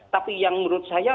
tapi yang menurut saya